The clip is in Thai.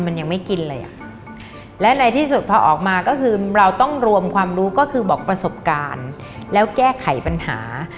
มันยังไม่กินเลยอ่ะและในที่สุดพอออกมาก็คือเราต้องรวมความรู้ก็คือบอกประสบการณ์แล้วแก้ไขปัญหา